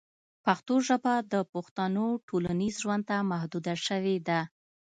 پښتو ژبه د پښتنو ټولنیز ژوند ته محدوده شوې ده.